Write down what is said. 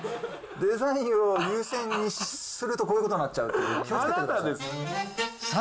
デザインを優先にするとこういうことになっちゃうという、気をつけてください。